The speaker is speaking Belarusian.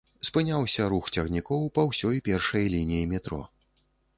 Спыняўся рух цягнікоў па ўсёй першай лініі метро.